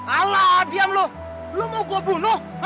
alah diam lo lo mau gue bunuh